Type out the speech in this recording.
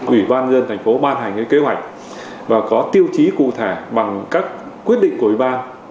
ủy ban dân thành phố ban hành kế hoạch và có tiêu chí cụ thể bằng các quyết định của ủy ban